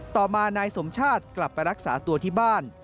ต่อมานายสมชาติกลับไปรักษาตัวที่บ้าน